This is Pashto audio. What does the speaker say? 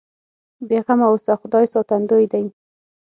بې غمه اوسه خدای ساتندوی دی.